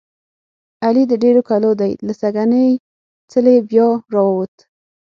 علي د ډېرو کلو دی. له سږنۍ څېلې بیا را ووت.